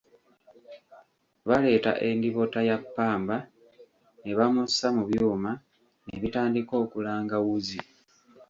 Baleeta endibota ya ppamba, ne bamussa mu byuma, ne bitandika okulanga wuzi.